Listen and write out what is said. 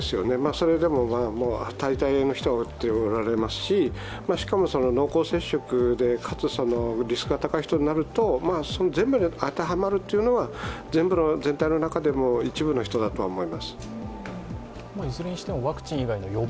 それでも大体の人が打っておられますし、しかも濃厚接触でかつリスクが高い人になると全部に当てはまるというのは全体の中でも一部の人だとは思います。